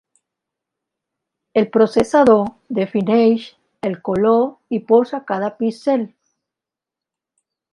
El processador defineix el color i posa cada píxel.